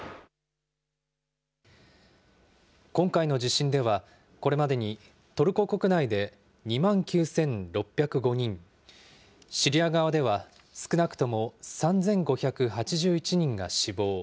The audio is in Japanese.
今回の地震では、これまでにトルコ国内で２万９６０５人、シリア側では少なくとも３５８１人が死亡。